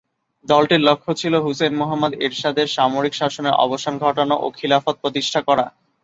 দলটির লক্ষ্য ছিল হুসেইন মুহাম্মদ এরশাদের সামরিক শাসনের অবসান ঘটানো ও খিলাফত প্রতিষ্ঠা করা।